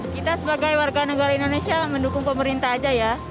kita sebagai warga negara indonesia mendukung pemerintah aja ya